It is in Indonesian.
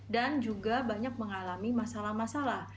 dan juga banyak mengalami masalah masalah